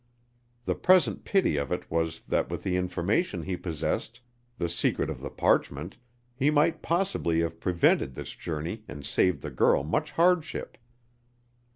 The present pity of it was that with the information he possessed, the secret of the parchment, he might possibly have prevented this journey and saved the girl much hardship.